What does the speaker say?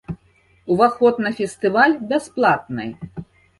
Уваход на фестываль бясплатны.